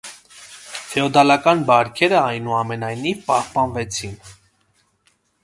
Ֆեոդալական բարքերը, այնուամենայնիվ, պահպանվեցին։